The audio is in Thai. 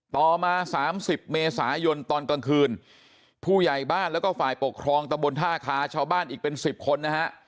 ต่อมา๓๐เมษายนตอนกลางคืนผู้ใหญ่บ้านแล้วก็ฝ่ายปกครองตะบนท่าคาชาวบ้านอีกเป็น๑๐คนนะฮะ